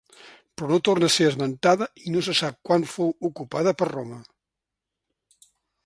Però no torna a ser esmentada i no se sap quan fou ocupada per Roma.